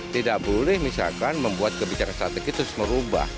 tidak boleh misalkan membuat kebijakan strategis terus merubah